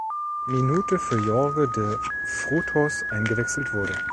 Minute für Jorge de Frutos eingewechselt wurde.